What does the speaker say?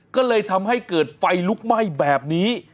ก็เลยทำให้เกิดไฟลุกไหม้แบบนี้